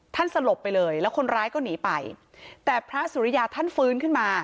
สลบไปเลยแล้วคนร้ายก็หนีไปแต่พระสุริยาท่านฟื้นขึ้นมา